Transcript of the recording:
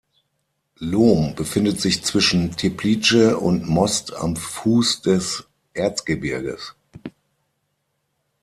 Lom befindet sich zwischen Teplice und Most am Fuß des Erzgebirges.